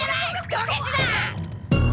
ドケチだ！